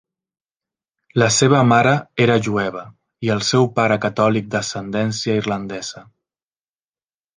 La seva mare era jueva, i el seu pare catòlic d'ascendència irlandesa.